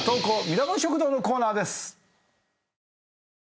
ミラモン食堂のコーナーです。